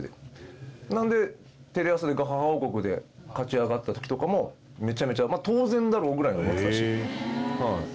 なのでテレ朝で『ＧＡＨＡＨＡ王国』で勝ち上がった時とかもめちゃめちゃ当然だろうぐらいに思ってたし。